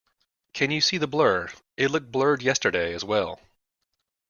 Can you see the blur? It looked blurred yesterday, as well.